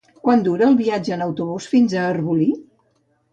Quant dura el viatge en autobús fins a Arbolí?